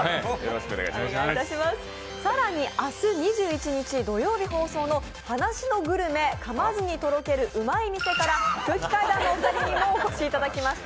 更に、明日２１日土曜日放送の「歯無しのグルメ噛まずにとろける美味しい店」から空気階段のお二人にもお越しいただきました。